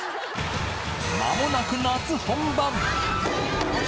まもなく夏本番！